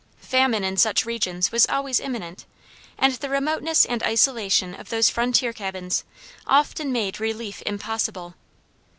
Famine in such regions was always imminent, and the remoteness and isolation of those frontier cabins often made relief impossible.